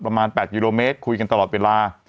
ประมาณ๘กิโลเมตรคุยกันตลอดเวลา